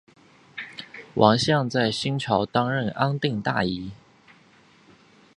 王向在新朝担任安定大尹。